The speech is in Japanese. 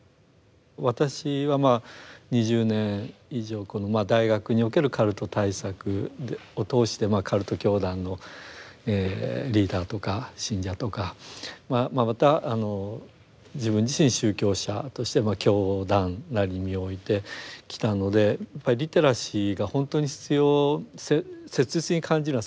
私は２０年以上大学におけるカルト対策を通してカルト教団のリーダーとか信者とかまた自分自身宗教者として教団内に身を置いてきたのでやっぱりリテラシーが本当に必要切実に感じるのは内的な方なんですね。